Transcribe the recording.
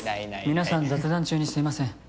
皆さん雑談中にすみません。